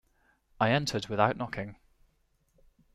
I entered without knocking.